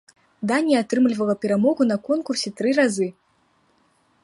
Данія атрымлівала перамогу на конкурсе тры разы.